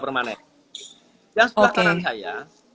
permanen yang sebelah kanan saya